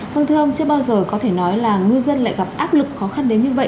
vâng thưa ông chưa bao giờ có thể nói là ngư dân lại gặp áp lực khó khăn đến như vậy